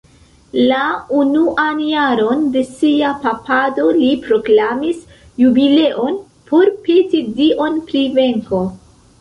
La unuan jaron de sia papado, li proklamis jubileon por peti Dion pri venko.